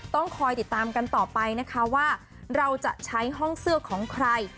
ต้องคอยติดตามกันต่อไปนะคะว่าเราจะใช้ห้องเสื้อของใคร